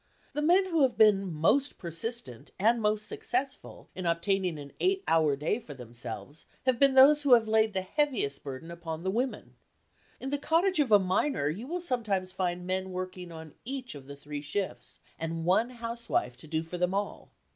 The men who have been most persistent and most successful in obtaining an eight hour day for themselves, have been those who have laid the heaviest burden upon the women. In the cottage of a miner you will sometimes find men working on each of the three shifts, and one housewife to do for them all.